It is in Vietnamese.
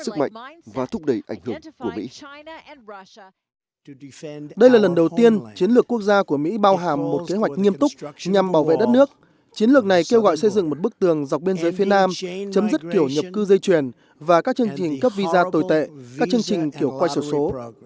chiến lược này kêu gọi xây dựng một bức tường dọc bên dưới phía nam chấm dứt kiểu nhập cư dây chuyển và các chương trình cấp visa tồi tệ các chương trình kiểu quay sổ số